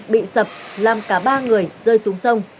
bị sập làm cả ba người rơi xuống sông